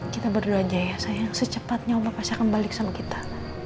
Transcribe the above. kita berdua aja ya sayang secepatnya allah pasti akan balik sama kita